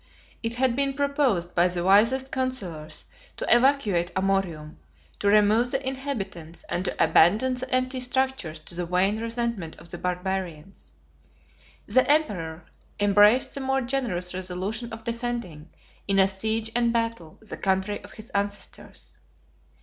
It had been proposed by the wisest counsellors, to evacuate Amorium, to remove the inhabitants, and to abandon the empty structures to the vain resentment of the Barbarians. The emperor embraced the more generous resolution of defending, in a siege and battle, the country of his ancestors.